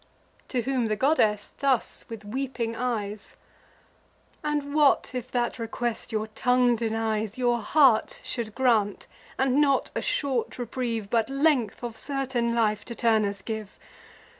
To whom the goddess thus, with weeping eyes: "And what if that request, your tongue denies, Your heart should grant; and not a short reprieve, But length of certain life, to Turnus give?